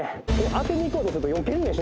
当てにいこうとするとよけんねん